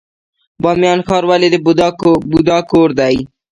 بامیان ښار ولې د بودا کور دی؟